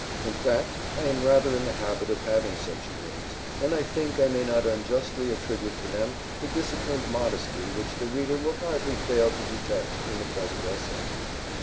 In fact, I am rather in the habit of having such dreams, and I think I may not unjustly attribute to them the disciplined modesty which the reader will hardly fail to detect in the present essay.